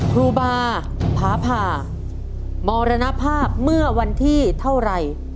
ครูบาผาผ่ามรณภาพเมื่อวันที่เท่าไหร่